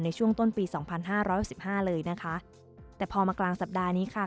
ในช่วงต้นปี๒๐๒๕เลยนะคะแต่พอมากลางสัปดาห์นี้ค่ะ